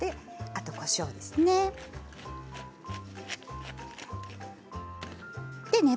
あとは、こしょうですね。